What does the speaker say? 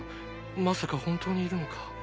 まさか本当にいるのか？